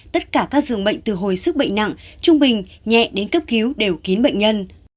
tất cả các dường bệnh từ hồi sức bệnh nặng trung bình nhẹ đến cấp cứu đều kín bệnh nhân